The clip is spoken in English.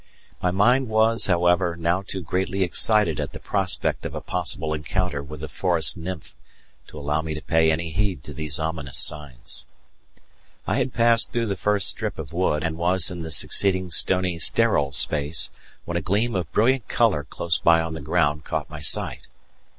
My mind was, however, now too greatly excited at the prospect of a possible encounter with the forest nymph to allow me to pay any heed to these ominous signs. I had passed through the first strip of wood and was in the succeeding stony sterile space when a gleam of brilliant colour close by on the ground caught my sight.